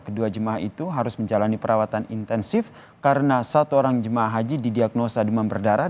kedua jemaah itu harus menjalani perawatan intensif karena satu orang jemaah haji didiagnosa demam berdarah